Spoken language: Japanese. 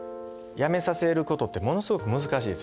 やめさせることってものすごく難しいですよね。